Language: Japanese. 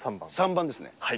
３番ですね。